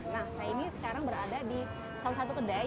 nah saya ini sekarang berada di salah satu kedai